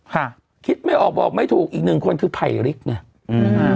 ค่ะคิดไม่ออกบอกไม่ถูกอีกหนึ่งคนคือไผ่ลิกไงอืม